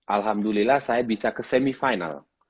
alhamdulillah saya bisa ke semifinal